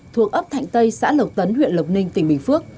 thuộc ấp thạnh tây xã lộc tấn huyện lộc ninh tỉnh bình phước